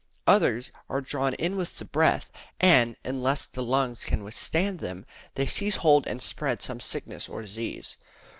Others are drawn in with the breath; and, unless the lungs can withstand them, they seize hold and spread some sickness or disease.